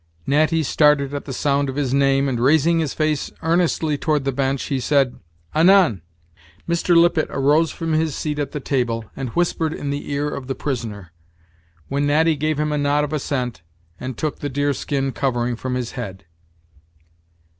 Natty started at the sound of his name, and, raising his face earnestly toward the bench, he said: "Anan!" Mr. Lippet arose from his seat at the table, and whispered in the ear of the prisoner; when Natty gave him a nod of assent, and took the deer skin covering from his head.